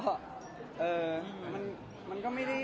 เออมันก็ไม่ได้